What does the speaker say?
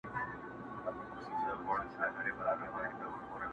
له ناکامه د قسمت په انتظار سو!!